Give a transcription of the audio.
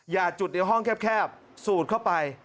จุดในห้องแคบสูดเข้าไป